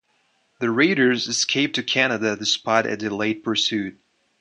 The raiders escaped to Canada, despite a delayed pursuit.